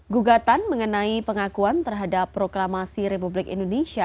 gugatan mengenai pengakuan terhadap proklamasi republik indonesia